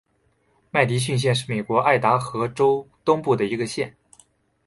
麦迪逊县是美国爱达荷州东部的一个县。